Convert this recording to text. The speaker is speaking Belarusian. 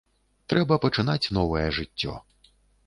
Трэба пачынаць новае жыццё.